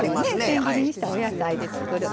せん切りにしたお野菜で作る。